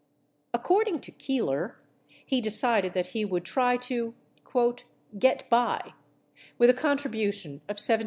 Accord ing to Keeler, he decided that he would try to "get by" with a contri bution of $75,000.